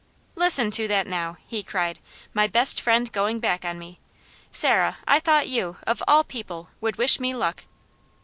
"Listen to that, now!" he cried. "My best friend going back on me. Sarah, I thought you, of all people, would wish me luck."